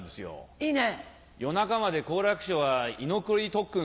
いいね。